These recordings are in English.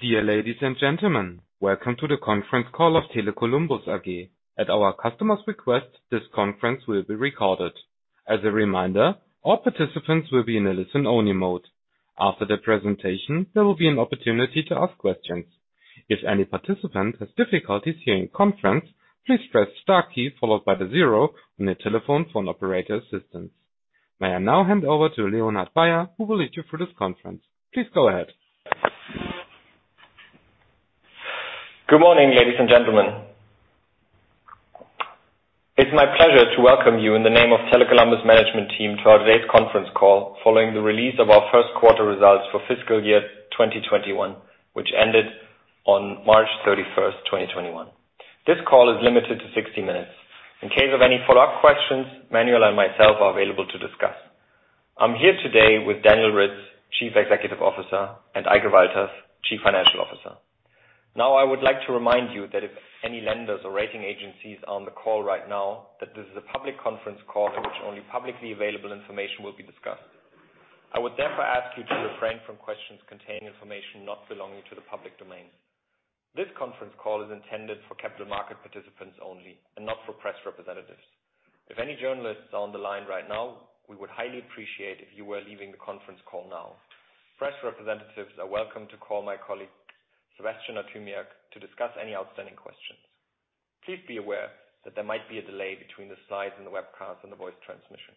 Dear ladies and gentlemen, welcome to the conference call of Tele Columbus AG. At our customer's request, this conference will be recorded. As a reminder, all participants will be in a listen-only mode. After the presentation, there will be an opportunity to ask questions. If any participant has difficulties hearing conference, please press star key followed by the zero on your telephone for an operator assistance. May I now hand over to Leonhard Bayer, who will lead you through this conference. Please go ahead. Good morning, ladies and gentlemen. It's my pleasure to welcome you in the name of Tele Columbus management team to our day's conference call following the release of our first quarter results for fiscal year 2021, which ended on March 31st, 2021. This call is limited to 60 minutes. In case of any follow-up questions, Manuel and myself are available to discuss. I'm here today with Daniel Ritz, Chief Executive Officer, and Eike Walters, Chief Financial Officer. Now, I would like to remind you that if any lenders or rating agencies are on the call right now, that this is a public conference call in which only publicly available information will be discussed. I would therefore ask you to refrain from questions containing information not belonging to the public domain. This conference call is intended for capital market participants only, and not for press representatives. If any journalists are on the line right now, we would highly appreciate if you were leaving the conference call now. Press representatives are welcome to call my colleague, Sebastian Jachymiak, to discuss any outstanding questions. Please be aware that there might be a delay between the slides and the webcasts and the voice transmission.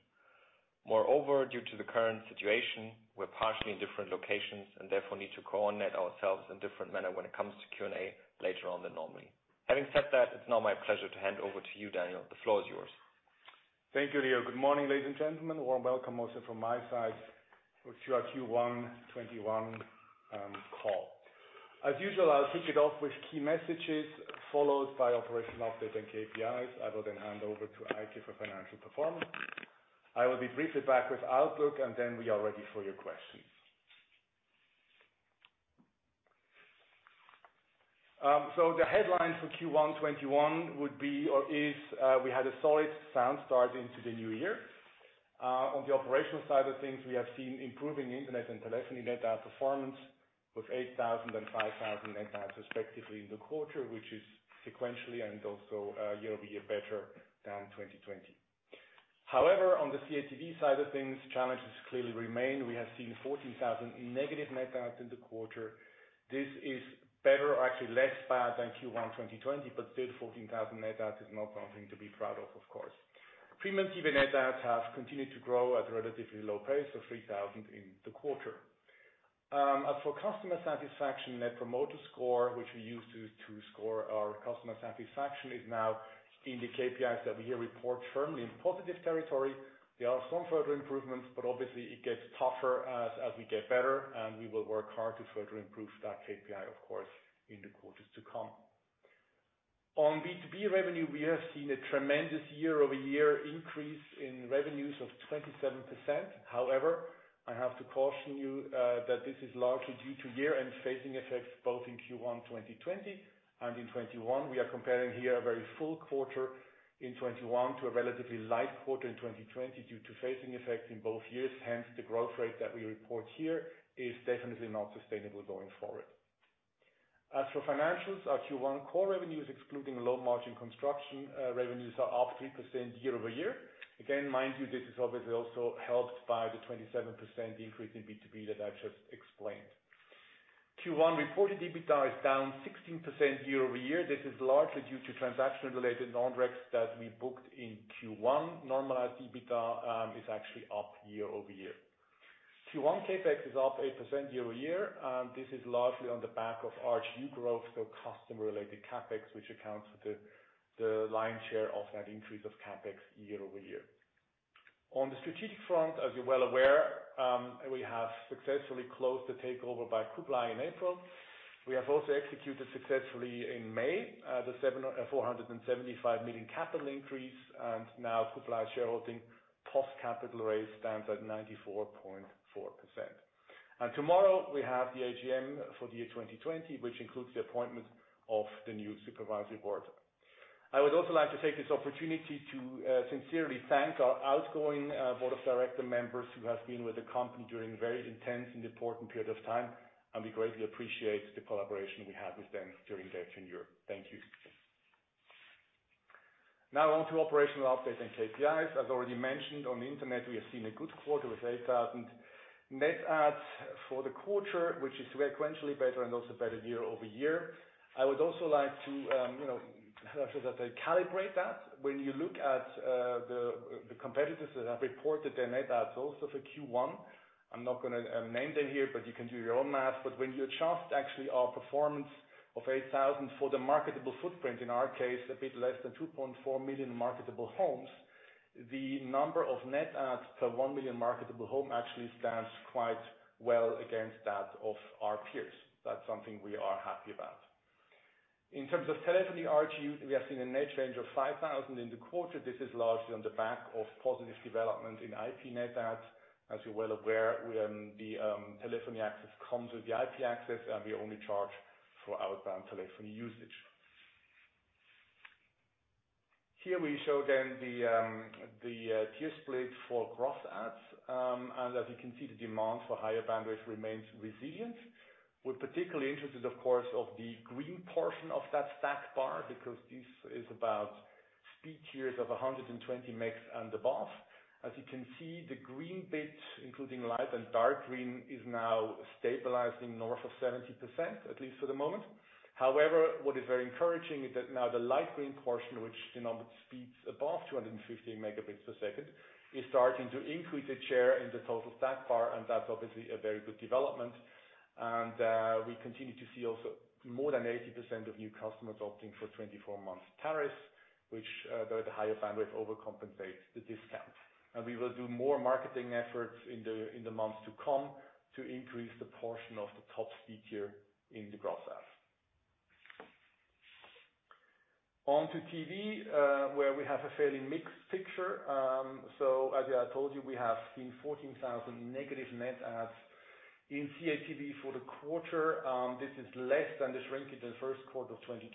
Due to the current situation, we're partially in different locations and therefore need to coordinate ourselves in different manner when it comes to Q&A later on than normally. Having said that, it's now my pleasure to hand over to you, Daniel. The floor is yours. Thank you. Good morning, ladies and gentlemen. Welcome also from my side for Q1 2021 call. As usual, I'll kick it off with key messages followed by operational update and KPIs. I will then hand over to Eike for financial performance. I will be briefly back with outlook and then we are ready for your questions. The headline for Q1 2021 would be or is, we had a solid sound start into the new year. On the operational side of things, we have seen improving internet and telephony net add performance with 8,000 and 5,000 net adds respectively in the quarter, which is sequentially and also year-over-year better than 2020. However, on the CATV side of things, challenges clearly remain. We have seen 14,000 in negative net adds in the quarter. This is better, actually less bad than Q1 2020. Still 14,000 net add is not something to be proud of course. Premium TV net adds have continued to grow at a relatively low pace of 3,000 in the quarter. As for customer satisfaction, Net Promoter Score, which we use to score our customer satisfaction, is now in the KPIs that we here report firmly in positive territory. There are some further improvements. Obviously it gets tougher as we get better. We will work hard to further improve that KPI, of course, in the quarters to come. On B2B revenue, we have seen a tremendous year-over-year increase in revenues of 27%. However, I have to caution you that this is largely due to year and phasing effects both in Q1 2020 and in 2021. We are comparing here a very full quarter in 2021 to a relatively light quarter in 2020 due to phasing effect in both years. The growth rate that we report here is definitely not sustainable going forward. As for financials, our Q1 core revenues excluding low margin construction revenues are up 3% year-over-year. Again, mind you, this is obviously also helped by the 27% increase in B2B that I just explained. Q1 reported EBITDA is down 16% year-over-year. This is largely due to transaction-related non-recs that we booked in Q1. Normalized EBITDA is actually up year-over-year. Q1 CapEx is up 8% year-over-year. This is largely on the back of RGU growth or customer-related CapEx, which accounts for the lion's share of net increase of CapEx year-over-year. On the strategic front, as you're well aware, we have successfully closed the takeover by Kublai in April. We have also executed successfully in May, the 475 million capital increase. Now Kublai shareholding post capital raise stands at 94.4%. Tomorrow we have the AGM for the year 2020, which includes the appointment of the new supervisory board. I would also like to take this opportunity to sincerely thank our outgoing board of director members who have been with the company during a very intense and important period of time, and we greatly appreciate the collaboration we have with them during their tenure. Thank you. Now on to operational updates and KPIs. As already mentioned, on internet, we have seen a good quarter with 8,000 net adds for the quarter, which is sequentially better and also better year-over-year. I would also like to calibrate that. When you look at the competitors that have reported their net adds also for Q1, I'm not going to name them here, but you can do your own math. When you adjust actually our performance of 8,000 for the marketable footprint, in our case, a bit less than 2.4 million marketable homes, the number of net adds per one million marketable home actually stands quite well against that of our peers. That's something we are happy about. In terms of telephony RGU, we have seen a net change of 5,000 in the quarter. This is largely on the back of positive development in IP net adds. As you're well aware, the telephony access comes with the IP access, and we only charge for outbound telephony usage. Here we show the tier split for gross adds. As you can see, the demand for higher bandwidth remains resilient. We're particularly interested, of course, of the green portion of that stack bar because this is about speed tiers of 120 meg and above. As you can see, the green bits, including light and dark green, is now stabilizing north of 70%, at least for the moment. However, what is very encouraging is that now the light green portion, which denotes speeds above 250 megabits per second, is starting to increase its share in the total stack bar, and that's obviously a very good development. We continue to see also more than 80% of new customers opting for 24 months tariffs, which the higher bandwidth overcompensates the discount. We will do more marketing efforts in the months to come to increase the portion of the top speed tier in the process. To TV, where we have a fairly mixed picture. As I told you, we have seen 14,000 negative net adds in pay TV for the quarter. This is less than the shrink in the first quarter of 2020.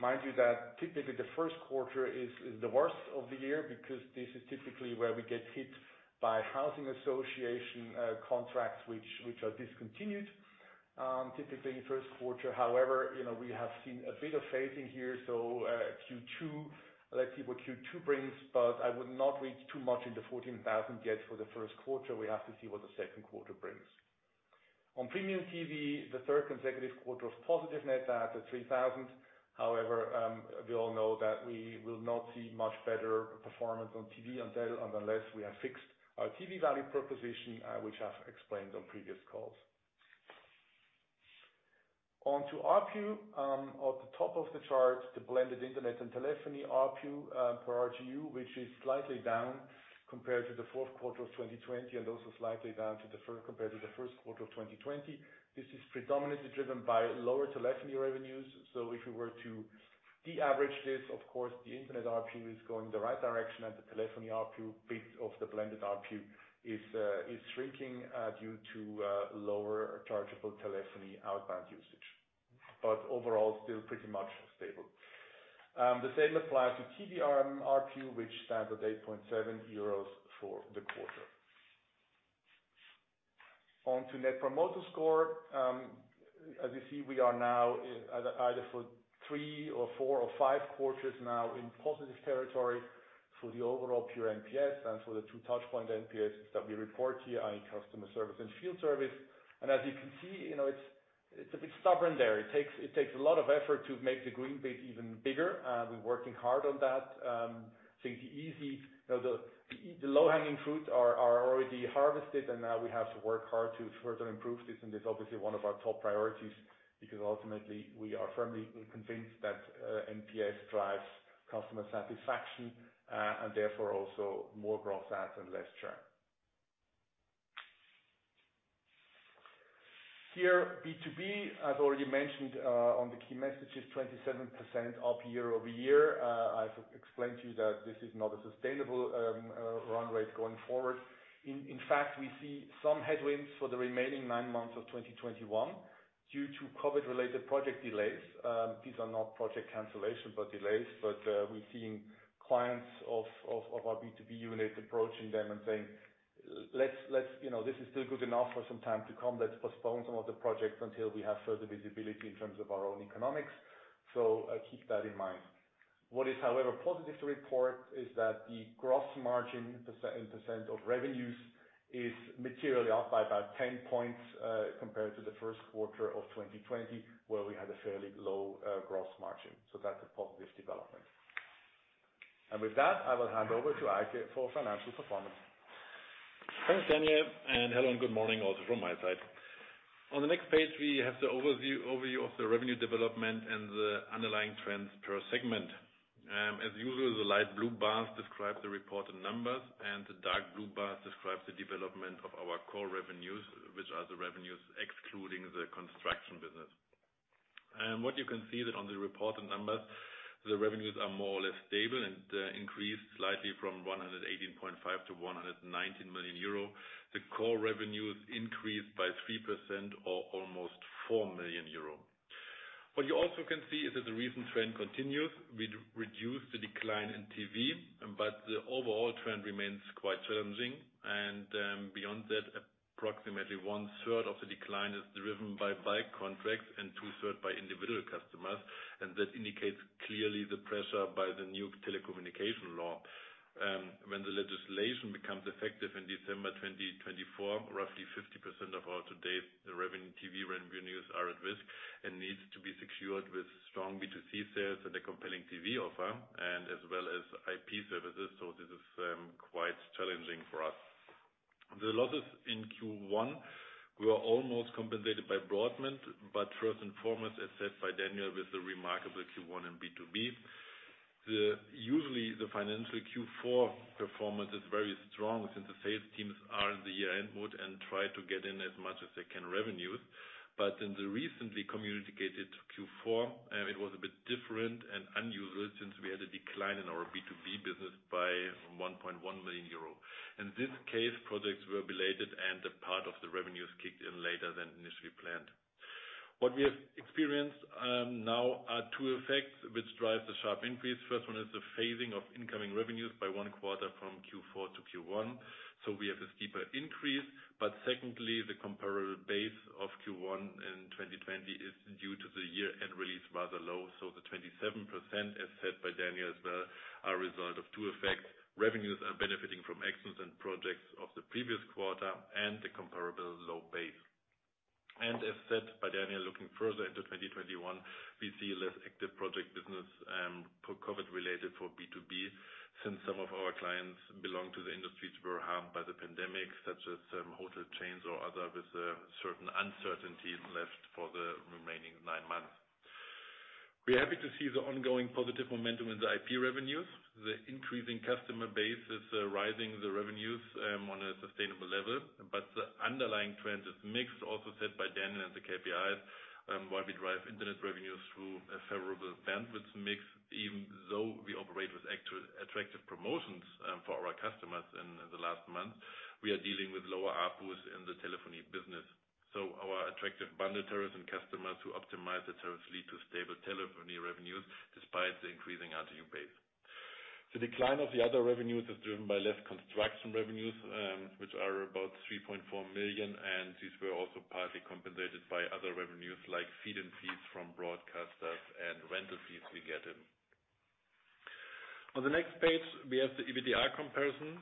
Mind you that typically the first quarter is the worst of the year because this is typically where we get hit by housing association contracts which are discontinued, typically first quarter. We have seen a bit of phasing here, so let's see what Q2 brings, but I would not read too much in the 14,000 yet for the first quarter. We have to see what the second quarter brings. Premium TV, the third consecutive quarter of positive net add at 3,000. We all know that we will not see much better performance on TV until and unless we have fixed our TV value proposition, which I've explained on previous calls. On to ARPU. At the top of the chart, the blended internet and telephony ARPU per RGU, which is slightly down compared to the fourth quarter of 2020 and also slightly down compared to the first quarter of 2020. This is predominantly driven by lower telephony revenues. If you were to de-average this, of course, the internet ARPU is going the right direction and the telephony ARPU bit of the blended ARPU is shrinking due to lower chargeable telephony outbound usage. Overall, still pretty much stable. The same applies to TV ARPU, which stands at 8.7 euros for the quarter. On to Net Promoter Score. As you see, we are now either for three or four or five quarters now in positive territory for the overall pure NPS and for the two touchpoint NPS that we report here on customer service and field service. As you can see, it's a bit stubborn there. It takes a lot of effort to make the green bit even bigger. We're working hard on that. Thinking easy. The low-hanging fruit are already harvested, now we have to work hard to further improve this, and it's obviously one of our top priorities because ultimately we are firmly convinced that NPS drives customer satisfaction and therefore also more gross add and less churn. Here, B2B, as already mentioned on the key messages, 27% up year-over-year. I've explained to you that this is not a sustainable run rate going forward. We see some headwinds for the remaining nine months of 2021 due to COVID-related project delays. These are not project cancellation, but delays. We're seeing clients of our B2B unit approaching them and saying, "This is still good enough for some time to come. Let's postpone some of the projects until we have further visibility in terms of our own economics." Keep that in mind. What is, however, positive to report is that the gross margin in percent of revenues is materially up by about 10 points compared to the first quarter of 2020, where we had a fairly low gross margin. That's a positive development. With that, I will hand over to Eike for financial performance. Thanks, Daniel, and hello and good morning also from my side. On the next page, we have the overview of the revenue development and the underlying trends per segment. As usual, the light blue bars describe the reported numbers, and the dark blue bars describe the development of our core revenues, which are the revenues excluding the construction business. What you can see that on the reported numbers, the revenues are more or less stable and increased slightly from 118.5-119 million euro. The core revenues increased by 3% or almost 4 million euro. What you also can see is that the recent trend continues. We reduced the decline in TV, but the overall trend remains quite challenging, and beyond that, approximately one-third of the decline is driven by bulk contracts and two-thirds by individual customers, and that indicates clearly the pressure by the new Telecommunications Act. When the legislation becomes effective in December 2024, roughly 50% of our today's revenue TV revenues are at risk and needs to be secured with strong B2C sales and a compelling TV offer and as well as IP services. This is quite challenging for us. The losses in Q1 were almost compensated by Broadband, but first and foremost, as said by Daniel, with a remarkable Q1 in B2B. Usually, the financial Q4 performance is very strong since the sales teams are in the year-end mode and try to get in as much as they can revenues. In the recently communicated Q4, it was a bit different and unusual since we had a decline in our B2B business by €1.1 million. In this case, projects were belated and a part of the revenues kicked in later than initially planned. What we have experienced now are two effects which drive the sharp increase. First one is the phasing of incoming revenues by one quarter from Q4 to Q1. We have a steeper increase. Secondly, the comparable base of Q1 in 2020 is due to the year-end release rather low. The 27%, as said by Daniel as well, are a result of two effects. Revenues are benefiting from excellent projects of the previous quarter and the comparable low base. As said by Daniel, looking further into 2021, we see a less active project business COVID-related for B2B, since some of our clients belong to the industries that were harmed by the pandemic, such as hotel chains or other, with certain uncertainties left for the remaining nine months. We're happy to see the ongoing positive momentum in the IP revenues. The increasing customer base is rising the revenues on a sustainable level, the underlying trend is mixed, also said by Daniel in the KPIs. While we drive internet revenues through a favorable bandwidth mix, even though we operate with attractive promotions for our customers in the last month, we are dealing with lower ARPU in the telephony business. Our attractive bundles and customers who optimize the tariff lead to stable telephony revenues despite the increasing RGU base. The decline of the other revenues is driven by less construction revenues, which are about 3.4 million, these were also partly compensated by other revenues like feed-in fees from broadcasters and rental fees we get in. On the next page, we have the EBITDA comparison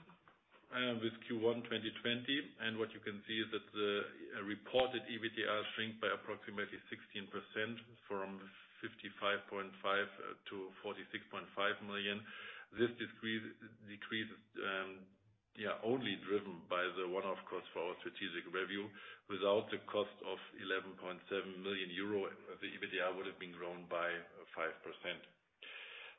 with Q1 2020. What you can see is that the reported EBITDA shrank by approximately 16% from EUR 55.5 million-EUR 46.5 million. This decrease only driven by the one-off cost for our strategic review. Without the cost of 11.7 million euro, the EBITDA would have been grown by 5%.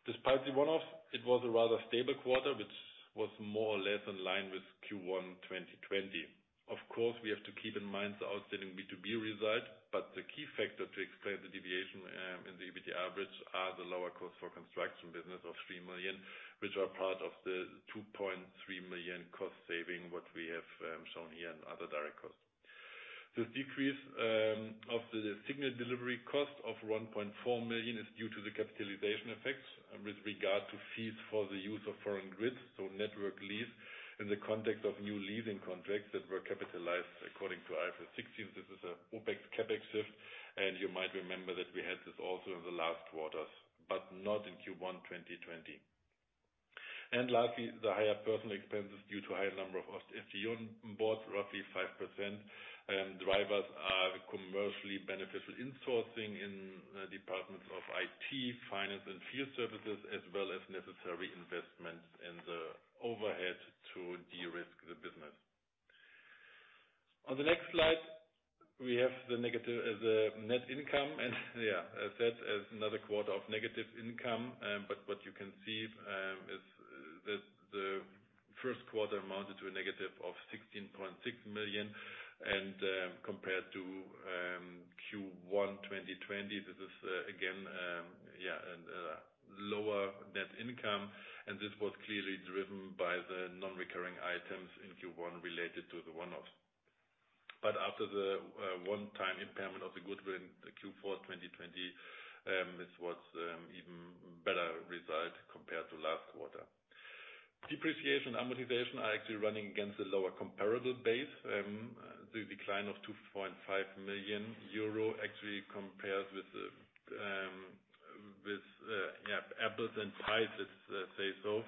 Despite the one-off, it was a rather stable quarter, which was more or less in line with Q1 2020. Of course, we have to keep in mind the outstanding B2B results, but the key factor to explain the deviation in the EBITDA average are the lower costs for construction business of 3 million, which are part of the 2.3 million cost saving, what we have shown here in other direct costs. This decrease of the signal delivery cost of 1.4 million is due to the capitalization effects with regard to fees for the use of foreign grids, so network lease, in the context of new leasing contracts that were capitalized according to IFRS 16. This is an OPEX CapEx shift, and you might remember that we had this also in the last quarters, but not in Q1 2020. Lastly, the higher personnel expenses due to higher number of staff on board, roughly 5%. Drivers are commercially beneficial insourcing in departments of IT, finance, and field services, as well as necessary investments in the overhead to de-risk the business. On the next slide, we have the net income and, yeah, as said, as another quarter of negative income. What you can see is that the first quarter amounted to a negative of 16.6 million, compared to Q1 2020, this is again a lower net income, this was clearly driven by the non-recurring items in Q1 related to the one-off. After the one-time impairment of the goodwill in the Q4 2020, this was an even better result compared to last quarter. Depreciation amortization are actually running against a lower comparable base. The decline of 2.5 million euro actually compares with apples and oranges, say so,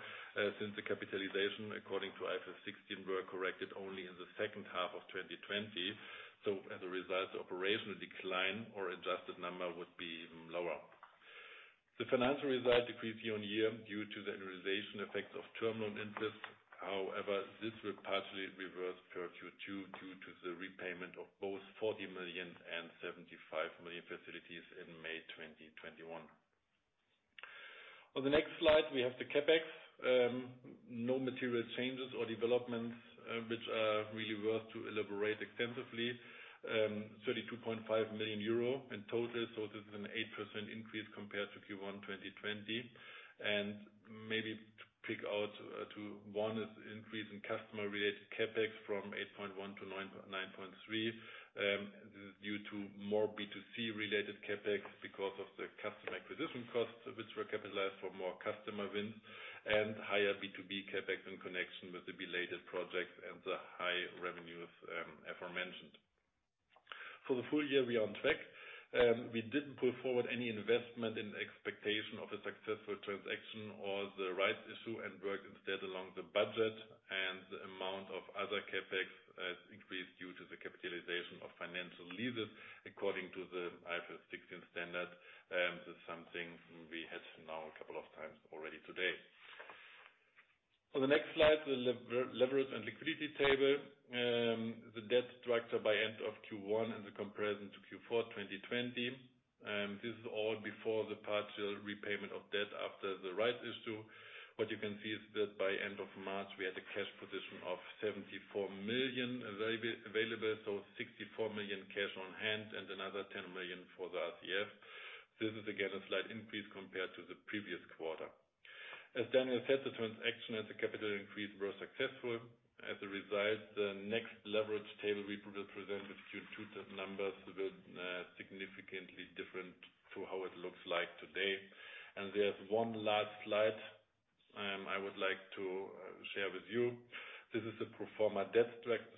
since the capitalization according to IFRS 16 were corrected only in the second half of 2020. As a result, the operational decline or adjusted number would be even lower. The financial result decreased year-on-year due to the annualization effect of terminal interest. This will partially reverse Q2 due to the repayment of both 40 million and 75 million facilities in May 2021. On the next slide, we have the Capex. No material changes or developments which are really worth to elaborate extensively. 32.5 million euro in total. This is an 8% increase compared to Q1 2020. Maybe to pick out to one is increase in customer-related Capex from 8.1-9.3. This is due to more B2C-related Capex because of the customer acquisition costs, which were capitalized for more customer wins and higher B2B Capex in connection with the related projects and the high revenues aforementioned. For the full year, we are on track. We didn't put forward any investment in expectation of a successful transaction or the rights issue and work instead along the budget, and the amount of other CapEx has increased due to the capitalization of financial leases according to the IFRS 16 standard. This is something we had now a couple of times already today. On the next slide, the leverage and liquidity table. The debt structure by end of Q1 in the comparison to Q4 2020. This is all before the partial repayment of debt after the rights issue. What you can see is that by end of March, we had a cash position of 74 million available, so 64 million cash on hand and another 10 million for the RCF. This is again a slight increase compared to the previous quarter. As Daniel said, the transaction as a capital increase was successful. As a result, the next leverage table we will present to you to members will be significantly different to how it looks like today. There's one last slide I would like to share with you. This is a pro forma debt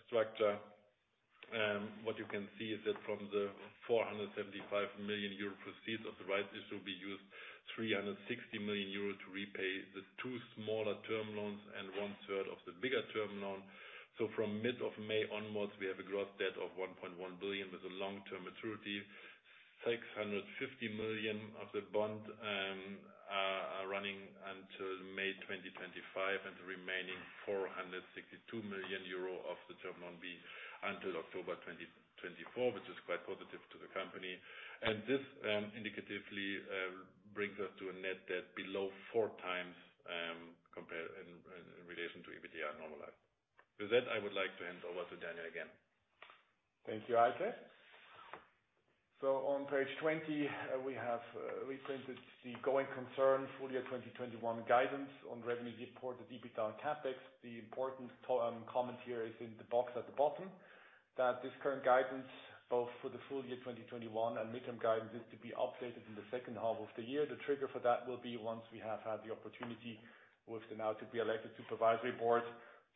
structure. What you can see is that from the 475 million euro proceeds of the rights issue, we used 360 million euro to repay the two smaller term loans and one third of the bigger term loan. From mid of May onwards, we have a gross debt of 1.1 billion with a long-term maturity, 650 million of the bond running until May 2025, and the remaining 462 million euro of the Term Loan B until October 2024, which is quite positive to the company. This indicatively brings us to a net debt below four times, in relation to EBITDA normalized. With that, I would like to hand over to Daniel again. Thank you, Eike. On page 20, we have reprinted the going concern full year 2021 guidance on revenue for the Capex. The important comment here is in the box at the bottom, that this current guidance, both for the full year 2021 and mid-term guidance, is to be updated in the second half of the year. The trigger for that will be once we have had the opportunity, working now to be elected supervisory board,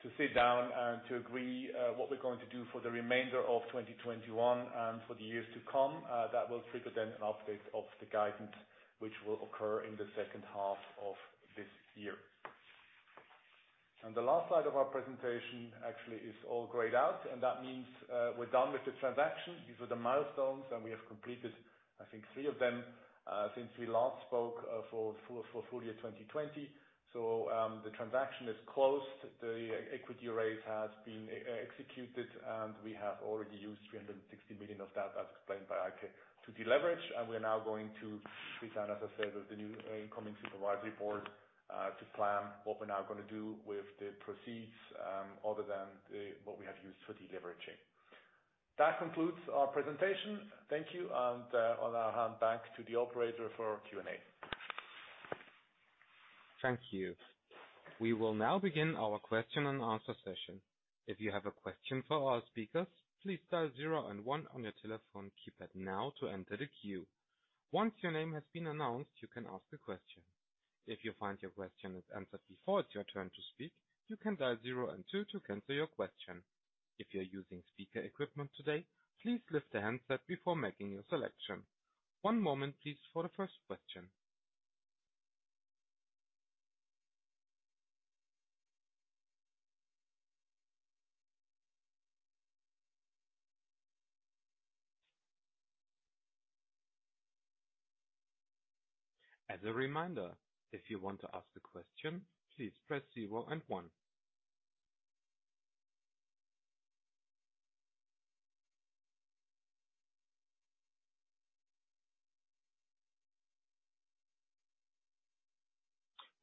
to sit down and to agree what we're going to do for the remainder of 2021 and for the years to come. That will trigger then an update of the guidance, which will occur in the second half of this year. The last slide of our presentation actually is all grayed out, and that means we're done with the transaction. These were the milestones. We have completed, I think, three of them since we last spoke for full year 2020. The transaction is closed, the equity raise has been executed, and we have already used 360 million of that, as explained by Eike Walters, to deleverage. We're now going to sit down, as I said, with the new incoming supervisory board, to plan what we're now going to do with the proceeds other than what we have used for deleveraging. That concludes our presentation. Thank you, and I'll hand back to the operator for Q&A. Thank you. We will now begin our question and answer session. If you have a question for our speakers, please dial zero and one on your telephone keypad now to enter the queue. Once your name has been announced, you can ask a question. If you find your question is answered before it's your turn to speak, you can dial zero and two to cancel your question. If you're using speaker equipment today, please lift the handset before making your selection. One moment, please, for the first question. As a reminder, if you want to ask a question, please press zero and one.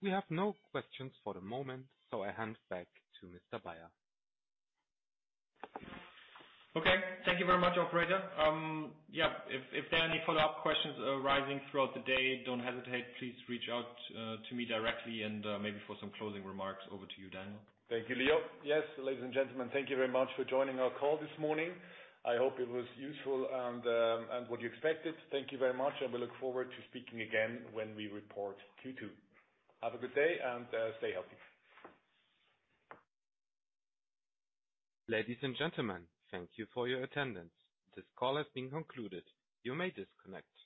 We have no questions for the moment, so I hand back to Mr. Bayer. Okay. Thank you very much, operator. Yeah, if there are any follow-up questions arising throughout the day, don't hesitate. Please reach out to me directly and maybe for some closing remarks. Over to you, Daniel. Thank you, Leo. Yes, ladies and gentlemen, thank you very much for joining our call this morning. I hope it was useful and what you expected. Thank you very much. We look forward to speaking again when we report Q2. Have a good day and stay healthy. Ladies and gentlemen, thank you for your attendance. This call has been concluded. You may disconnect.